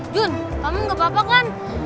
jun kamu gak apa apa kan